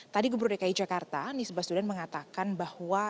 tadi pemprov dki jakarta nisba sudan mengatakan bahwa